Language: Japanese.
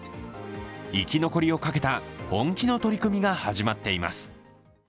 生き残りをかけた本気の取り組みが始まっています。